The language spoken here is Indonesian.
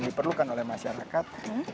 diperlukan oleh masyarakat